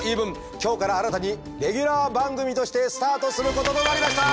今日から新たにレギュラー番組としてスタートすることとなりました！